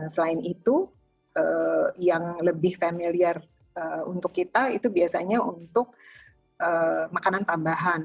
selain itu yang lebih familiar untuk kita itu biasanya untuk makanan tambahan